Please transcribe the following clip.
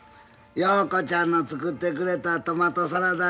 陽子ちゃんの作ってくれたトマトサラダ